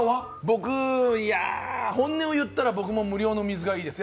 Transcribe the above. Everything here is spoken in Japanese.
僕、本音を言ったら僕も無料の水がいいです。